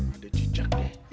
ada cicak deh